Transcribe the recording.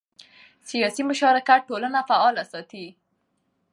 سیاسي مشارکت ټولنه فعاله ساتي